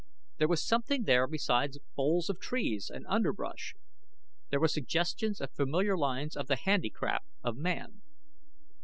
There was something there besides boles of trees, and underbrush. There were suggestions of familiar lines of the handicraft of man.